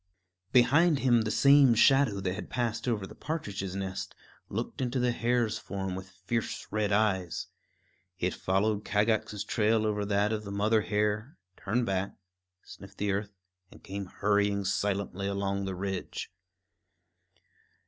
Behind him the same shadow that had passed over the partridge's nest looked into the hare's form with fierce red eyes. It followed Kagax's trail over that of the mother hare, turned back, sniffed the earth, and came hurrying silently along the ridge.